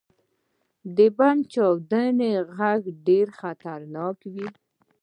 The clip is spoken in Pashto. • د بم چاودنې ږغ ډېر خطرناک وي.